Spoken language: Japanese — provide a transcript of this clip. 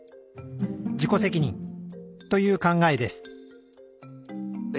自己責任という考えです